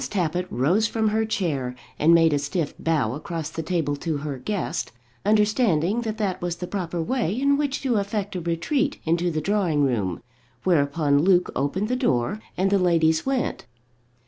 Tappitt rose from her chair, and made a stiff bow across the table to her guest, understanding that that was the proper way in which to effect a retreat into the drawing room; whereupon Luke opened the door, and the ladies went.